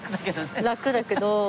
楽だけどね。